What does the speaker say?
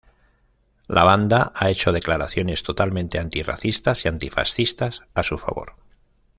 La banda ha hecho declaraciones totalmente anti-racistas y anti-fascistas a su favor.